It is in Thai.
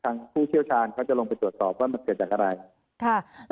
ผู้เชี่ยวชาญเขาจะลงไปตรวจสอบว่ามันเกิดจากอะไรค่ะ